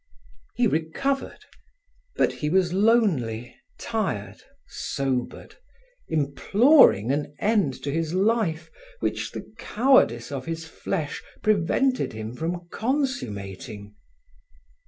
He recovered, but he was lonely, tired, sobered, imploring an end to his life which the cowardice of his flesh prevented him from consummating.